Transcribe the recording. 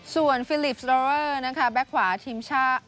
ส่วนฟิลิปสโรเวอร์นะคะแบ็คขวาทีมชาติ